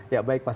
ya baik mas